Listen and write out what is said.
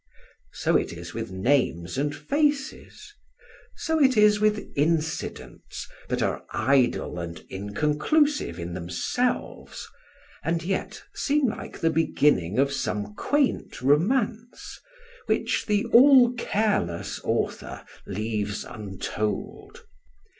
So it is with names and faces; so it is with incidents that are idle and inconclusive in themselves, and yet seem like the beginning of some quaint romance, which the all careless author leaves untold.